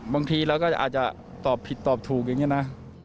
บางทีเราก็อาจจะตอบผิดตอบถูกอย่างนี้นะ